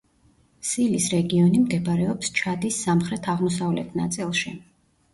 სილის რეგიონი მდებარეობს ჩადის სამხრეთ-აღმოსავლეთ ნაწილში.